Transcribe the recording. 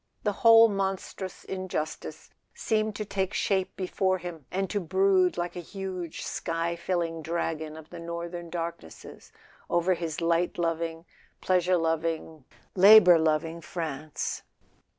The whole monstrous injustice seemed to take shape before him, and to brood like a huge sky filling dragon of the northern dark¬ nesses over his light loving, pleasure loving, labour loving France.